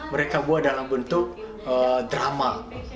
mereka buat dalam bentuk drama